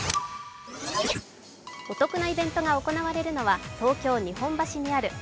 お得なイベントが行われるのは東京・日本橋にあるＣＯＲＥＤＯ